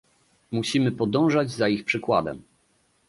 Musimy podążać za ich przykładem